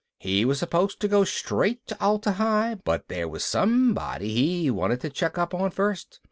He was supposed to go straight to Atla Hi, but there was somebody he wanted to check up on first.